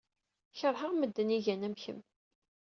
Keṛheɣ medden ay igan am kemm.